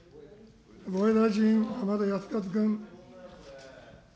防衛大臣、浜田靖一君。